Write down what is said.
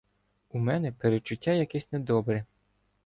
У мене передчуття якесь недобре.